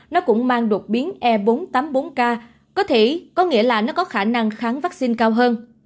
nó cũng mang đột biến e bốn trăm tám mươi bốn k có thể có nghĩa là nó có khả năng kháng vaccine cao hơn